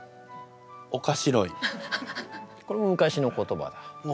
これも昔の言葉だ。